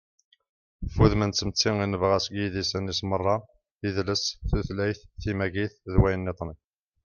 ɣef wudem n tmetti i nebɣa seg yidisan-is meṛṛa: idles, tutlayt, timagit, d wayen-nniḍen